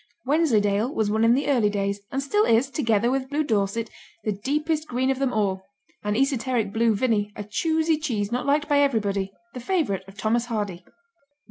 Wensleydale was one in the early days, and still is, together with Blue Dorset, the deepest green of them all, and esoteric Blue Vinny, a choosey cheese not liked by everybody, the favorite of Thomas Hardy.